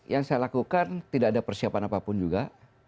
yang saya lakukan tidak ada persiapan apapun juga